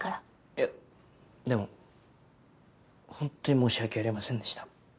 いやでもホントに申し訳ありませんでした。